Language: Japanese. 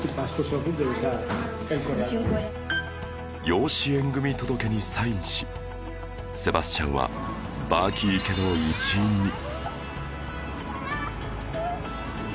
養子縁組届にサインしセバスチャンはバーキー家の一員に